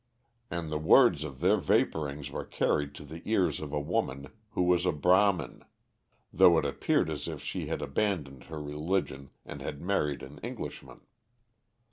And the words of their vaporings were carried to the ears of a woman who was a Brahmin, though it appeared as if she had abandoned her religion and had married an Englishman.